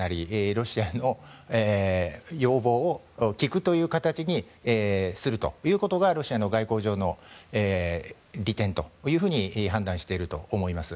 ロシアの要望を聞くという形にすることがロシアの外交上の利点と判断していると思います。